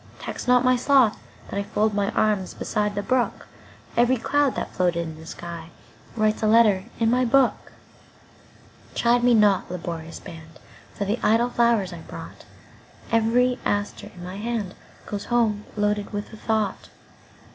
Tax not my sloth that IFold my arms beside the brook; Each cloud that floated in the skyWrites a letter in my book. Chide me not, laborious band, For the idle flowers I brought; Every aster in my handGoes home loaded with a thought.